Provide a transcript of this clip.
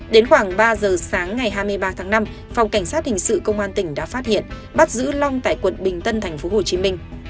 đến khoảng ba giờ sáng ngày hai mươi ba tháng năm phòng cảnh sát hình sự công an tỉnh đã phát hiện bắt giữ long tại quận bình tân thành phố hồ chí minh